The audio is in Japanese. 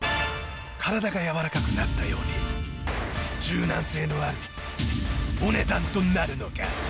体がやわらかくなったように柔軟性のあるお値段となるのか！？